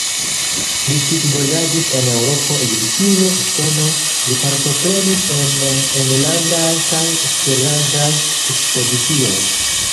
Li studvojaĝis en Eŭropo, Egiptio, Usono, li partoprenis en enlandaj kaj eksterlandaj ekspozicioj.